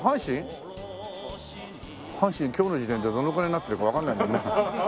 阪神今日の時点でどのくらいになってるかわかんないもんな。